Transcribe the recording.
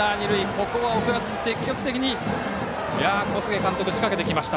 ここは送らず積極的に小菅監督仕掛けてきました。